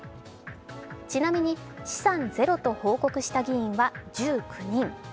ちなみに資産ゼロと報告した議員は１９人。